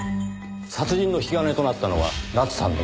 殺人の引き金となったのは奈津さんの自殺です。